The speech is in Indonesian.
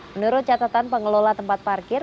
menurut catatan pengelola tempat parkir